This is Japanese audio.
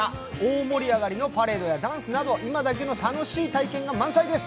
大盛り上がりのパレードやダンスなど、今だけの楽しいイベントが満載です。